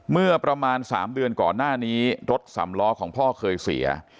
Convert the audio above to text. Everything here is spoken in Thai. เมื่อประมาณ๓เดือนก่อนหน้านี้รถสำล้อของพ่อเคยเสีย